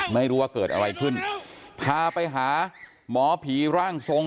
ไม่รู้ว่าเกิดอะไรขึ้นพาไปหาหมอผีร่างทรง